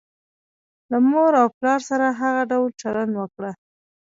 له مور او پلار سره هغه ډول چلند وکړه.